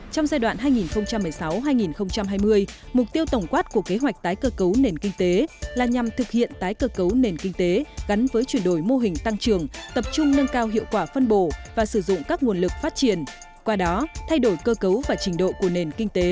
tổng nguồn lực để thực hiện tái cơ cấu giai đoạn hai nghìn một mươi sáu hai nghìn hai mươi là một mươi năm triệu tỷ đồng